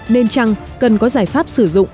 nên chăng cần có giải pháp sử dụng